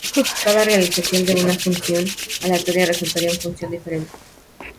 Cada realización de una función aleatoria resultaría en una función diferente.